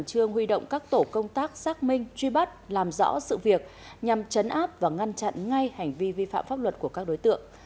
tổ công tác xác minh truy bắt làm rõ sự việc nhằm chấn áp và ngăn chặn ngay hành vi vi phạm pháp luật của các đối tượng